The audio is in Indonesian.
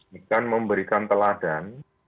dikan memberikan teladan